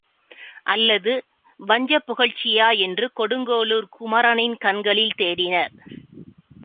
அல்லது வஞ்சப் புகழ்ச்சியா என்று கொடுங்கோளுர்க் குமரனின் கண்களில் தேடினார்.